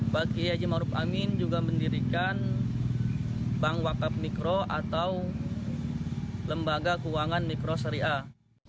pak kiai haji ma'ruf amin juga mendirikan bank wakaf mikro atau lembaga keuangan mikro syariah